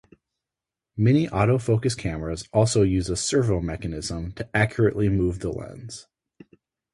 Many autofocus cameras also use a servomechanism to accurately move the lens.